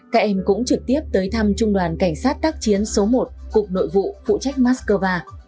các em cũng trực tiếp tới thăm trung đoàn cảnh sát tác chiến số một cục nội vụ phụ trách moscow